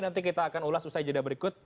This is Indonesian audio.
nanti kita akan ulas usai jeda berikut